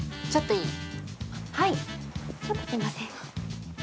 ちょっといい？